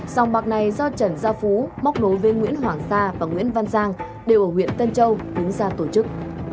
sòng bạc này do trần gia phú móc nối với nguyễn hoàng sa và nguyễn văn giang đều ở huyện tân châu đứng ra tổ chức